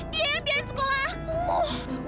dia yang biarin sekolah aku